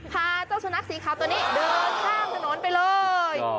พาเจ้าสุนัขสีขาวตัวนี้เดินข้ามถนนไปเลย